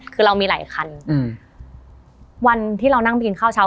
คือเรามีหลายคันอืมวันที่เรานั่งไปกินข้าวเช้า